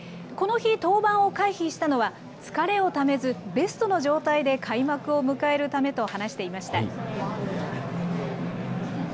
この日、登板を回避したのは、疲れをためず、ベストの状態で開幕を迎えるためと話していました。